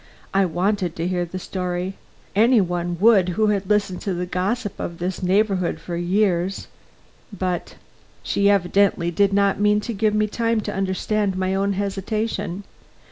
I wanted to hear the story any one would who had listened to the gossip of this neighborhood for years, but She evidently did not mean to give me time to understand my own hesitation.